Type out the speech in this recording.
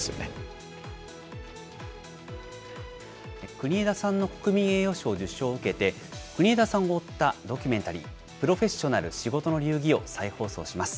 国枝さんの国民栄誉賞受賞を受けて、国枝さんを追ったドキュメンタリー、プロフェッショナル仕事の流儀を再放送します。